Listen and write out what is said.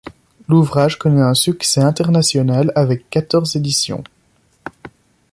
L'ouvrage connaît un succès international avec quatorze éditions.